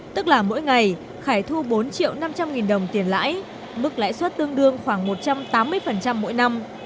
tức là mỗi ngày khải thu bốn triệu năm trăm linh nghìn đồng tiền lãi mức lãi suất tương đương khoảng một trăm tám mươi mỗi năm